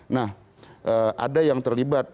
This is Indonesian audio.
nah ada yang terlibat